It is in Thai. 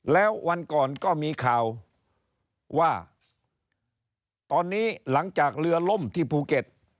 แล้ววันก่อนก็มีข่าวว่าตอนนี้หลังจากเรือล่มที่ภูเก็ต